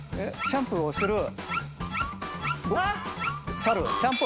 シャンプーをする猿。